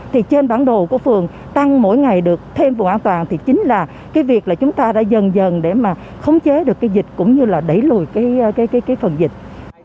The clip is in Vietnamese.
thì trên bản đồ của phường tăng mỗi ngày được thêm phường an toàn thì chính là cái việc là chúng ta đã dần dần để mà khống chế được cái dịch cũng như là đẩy lùi cái phần dịch